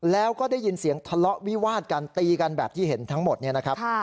แล้วก็ได้ยินเสียงทะเลาะวิวาดกันตีกันแบบที่เห็นทั้งหมดเนี่ยนะครับ